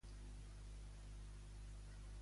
Quins canvis portaria aquest model trilingüe?